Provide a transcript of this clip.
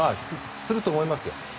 すると思いますよ。